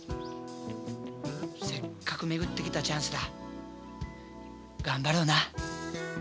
せっかく巡ってきたチャンスだ頑張ろうな。